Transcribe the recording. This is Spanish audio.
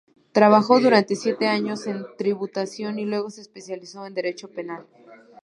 Trabajó durante siete años en Tributación y luego se especializó en Derecho Penal.